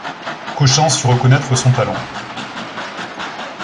Cochin sut reconnaître son talent.